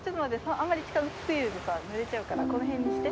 あんまり近づき過ぎるとさぬれちゃうからこの辺にして。